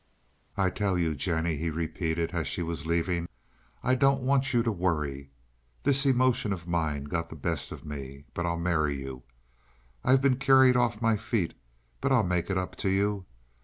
"I tell you, Jennie," he repeated, as she was leaving, "I don't want you to worry. This emotion of mine got the best of me, but I'll marry you. I've been carried off my feet, but I'll make it up to you.